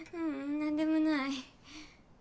何でもない。